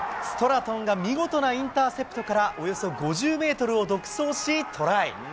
ストラトンが見事なインターセプトからおよそ５０メートルを独走し、トライ。